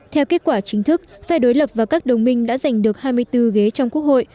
theo kết quả chính thức phe đối lập và các đồng minh đã giành được hai mươi bốn ghế trong quốc hội